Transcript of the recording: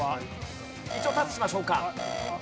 一応タッチしましょうか。